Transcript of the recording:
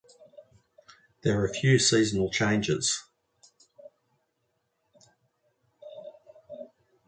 There are few seasonal changes.